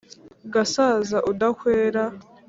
Gasaza udahwera.